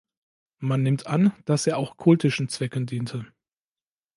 Man nimmt an, dass er auch kultischen Zwecken diente.